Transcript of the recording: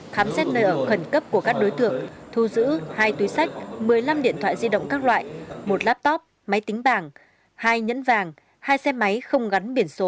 khám xét nơi ở khẩn cấp của các đối tượng thu giữ hai túi sách một mươi năm điện thoại di động các loại một laptop máy tính bảng hai nhẫn vàng hai xe máy không gắn biển số